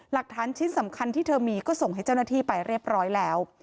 หลักฐานชิ้นสำคัญที่เธอมีก็ส่งให้เจ้าหน้าที่ไปเรียบร้อยแล้ว